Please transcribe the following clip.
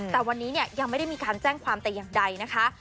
แต่วันนี้เนี่ยยังไม่ได้มีการแจ้งความแต่อย่างใดนะคะ